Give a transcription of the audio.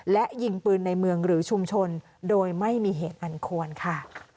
และยิงปืนในเมืองหรือชุมชนโดยไม่มีเหตุอันควรค่ะ